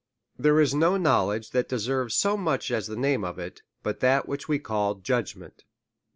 There is no knowledge that deserves so much as the name of it, but that which we call judgment.